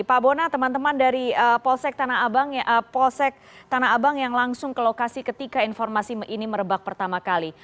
pak bona teman teman dari polsek tanah abang yang langsung ke lokasi ketika informasi ini merebak pertama kali